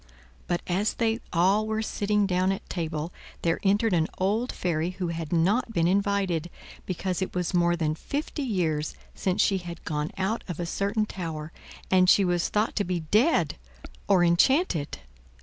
But, as they all were sitting down at table there entered an old fairy who had not been invited, because it was more than fifty years since she had gone out of a certain tower, and she was thought to be dead or enchanted.